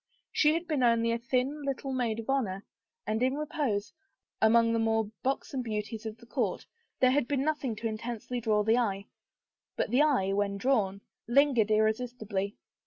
She had been only a thin little maid of honor, and in repose, among the more buxom beauties of the court, there had been nothing to intensely draw the eye. But the eye, when drawn, lin gered irresistibly.